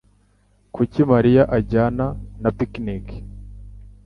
Kuki Mariya ajyana na picnic?